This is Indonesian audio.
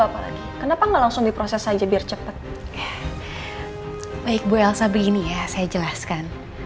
apa lagi kenapa nggak langsung diproses saja biar cepet baik bu elsa begini ya saya jelaskan